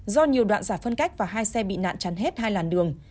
do nhiều đoạn giải phân cách và hai xe bị nạn chắn hết hai làn đường